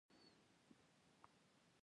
هلته به دا معرفي سرچپه شوه.